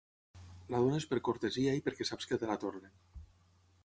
La dónes per cortesia i perquè saps que te la tornen.